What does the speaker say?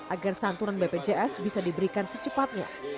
agar santunan bpjs bisa diberikan secepatnya